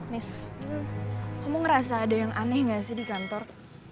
nis kamu ngerasa ada yang aneh nggak sih di kantor